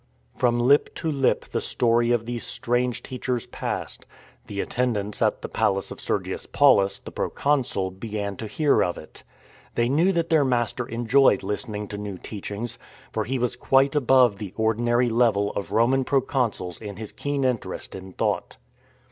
From lip to lip the story of these strange teachers passed. The attendants at the palace of Sergius Paulus, the proconsul, began to hear of it. They knew that their master enjoyed listening to new teach ings, for he was quite above the ordinary level of Roman proconsuls in his keen interest in thought.